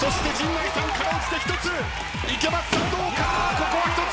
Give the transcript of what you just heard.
ここは１つ。